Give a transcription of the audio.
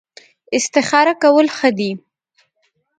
استخاره کول ښه دي